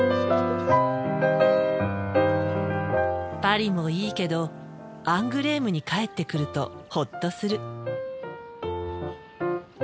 パリもいいけどアングレームに帰ってくるとホッとする。